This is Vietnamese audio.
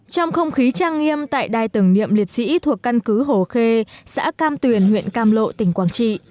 trong không khí trang nghiêm tại đài tưởng niệm liệt sĩ thuộc căn cứ hồ khê xã cam tuyền huyện cam lộ tỉnh quảng trị